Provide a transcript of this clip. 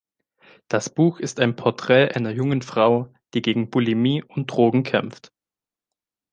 Das Buch ist ein Porträt einer jungen Frau, die gegen Bulimie und Drogen kämpft.